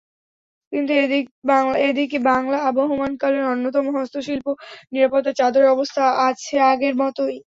কিন্তু এদিকে বাংলা আবহমানকালের অন্যতম হস্তশিল্প নিরাপত্তার চাদরের অবস্থা আছে আগের মতোই।